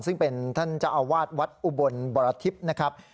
ซึ่งเป็นท่านเจ้าอาวาสวัดอุบลบรทิพย์นะครับ